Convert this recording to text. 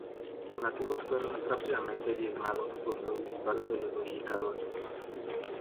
Los nativos fueron rápidamente diezmados por los disparos de los mexicanos.